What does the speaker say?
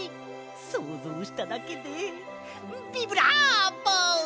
そうぞうしただけでビブラーボ！